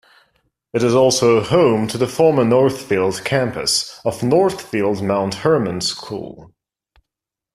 It is also home to the former Northfield campus of Northfield Mount Hermon School.